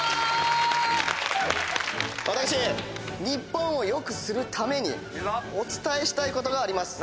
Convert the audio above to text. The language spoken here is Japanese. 日本を良くするためにお伝えしたいことがあります。